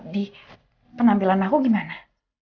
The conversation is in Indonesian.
di penampilan aku gimana